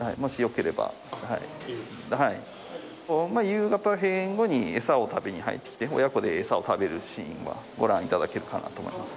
夕方閉園後に餌を食べに入ってきて親子で餌を食べるシーンはご覧頂けるかなと思いますんで。